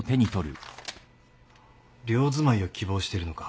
寮住まいを希望してるのか。